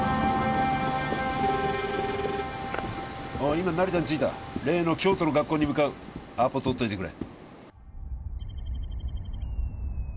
今成田に着いた例の京都の学校に向かうアポ取っといてくれ